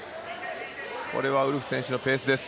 これはウルフ選手のペースです。